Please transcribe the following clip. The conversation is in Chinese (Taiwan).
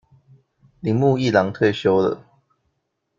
鈴木一朗退休了